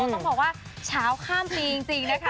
ต้องบอกว่าเช้าข้ามปีจริงนะคะ